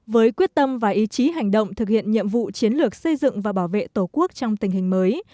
với quyết tâm và ý chí hành động thực hiện nhiệm vụ chiến lược xây dựng và bảo vệ tổ quốc trong tình hình mới